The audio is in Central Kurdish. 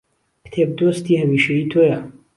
کتێب دۆستی هەمیشەیی تۆیە